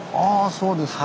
そうですか。